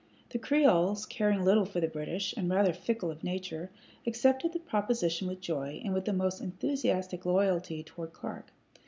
The Creoles, caring little for the British, and rather fickle of nature, accepted the proposition with joy, and with the most enthusiastic loyalty toward Clark.